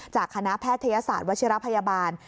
จากคณะแพทยศาสตร์วัชิระพยาบาล